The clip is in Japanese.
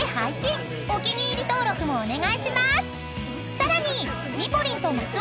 ［さらに］